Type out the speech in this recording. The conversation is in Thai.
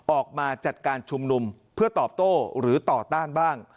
ออกมาจัดการชุมนุมเพื่อตอบโต้หรือต่อต้านบ้าง